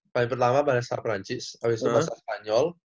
pertama bahasa perancis abis itu bahasa spanyol